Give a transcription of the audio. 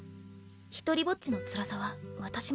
独りぼっちのつらさは私も知ってるし。